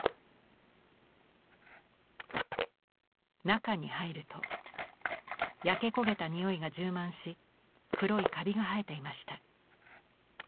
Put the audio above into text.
中に入ると焼け焦げたにおいが充満し黒いカビが生えていました。